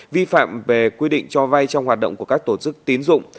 vi phạm về quy định cho vay trong hoạt động của các tổ chức tín dụng